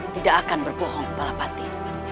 tidak akan berbohong kepala batik